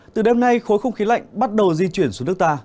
từ đêm nay khối không khí lạnh bắt đầu di chuyển xuống nước ta